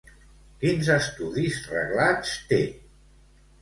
Quins estudis reglats té?